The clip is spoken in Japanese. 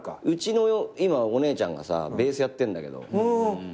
うちの今お姉ちゃんがさベースやってんだけど。